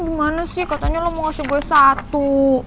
gimana sih katanya lo mau ngasih gue satu